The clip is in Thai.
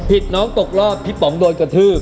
น้องตกรอบพี่ป๋องโดนกระทืบ